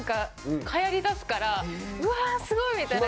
うわすごい！みたいな。